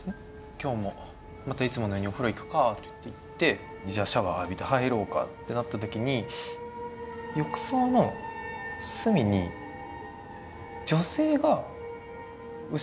「今日もまたいつものようにお風呂に行くか」っていってじゃあシャワー浴びて入ろうかってなった時に浴槽の隅に女性が後ろ姿でつかってるんですよ。